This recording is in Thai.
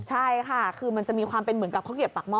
ใช่ค่ะคือมันจะมีความเป็นเหมือนกับข้าวเกียบปากห้อ